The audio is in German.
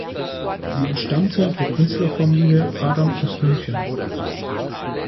Sie entstammte der Künstlerfamilie Adam aus München.